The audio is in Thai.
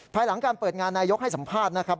ภายหลังการเปิดงานนายกให้สัมภาษณ์นะครับ